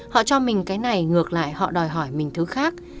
họ cho mình cái này ngược lại họ đòi hỏi mình thứ khác